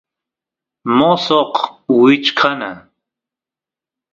mosoq wichkana